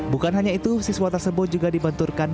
bukan hanya itu siswa tersebut juga dibenturkan